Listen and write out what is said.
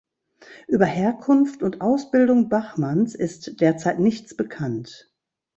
Über Herkunft und Ausbildung Bachmanns ist derzeit nichts bekannt.